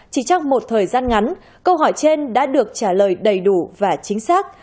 chỉ trong một thời gian ngắn câu hỏi trên đã được trả lời đầy đủ và chính xác